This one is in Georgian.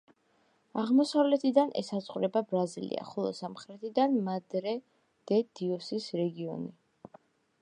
აღმოსავლეთიდან ესაზღვრება ბრაზილია, ხოლო სამხრეთიდან მადრე-დე-დიოსის რეგიონი.